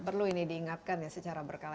perlu ini diingatkan ya secara berkala